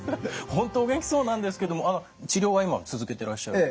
本当お元気そうなんですけども治療は今続けてらっしゃる？